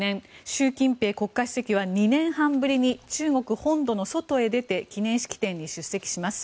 習近平国家主席は２年半ぶりに中国本土の外へ出て記念式典に出席します。